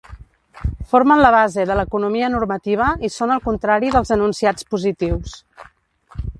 Formen la base de l'economia normativa i són el contrari dels enunciats positius.